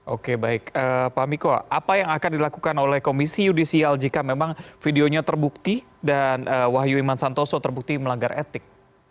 oke baik pak miko apa yang akan dilakukan oleh komisi yudisial jika memang videonya terbukti dan wahyu iman santoso terbukti melanggar etik